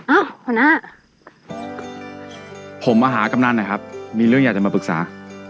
หัวหน้าผมมาหากำนันนะครับมีเรื่องอยากจะมาปรึกษา